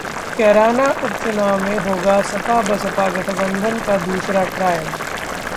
कैराना उपचुनाव में होगा सपा-बसपा गठबंधन का दूसरा ट्रायल